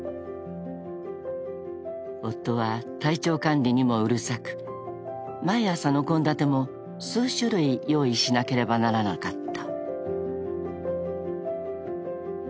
［夫は体調管理にもうるさく毎朝の献立も数種類用意しなければならなかった］